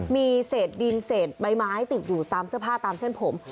มีเศษดินเศษใบไม้ติดอยู่ตามเสื้อผ้าตามเส้นผม